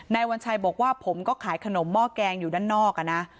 วัญชัยบอกว่าผมก็ขายขนมหม้อแกงอยู่ด้านนอกนะ